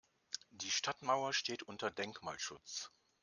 Die Stadtmauer steht unter Denkmalschutz.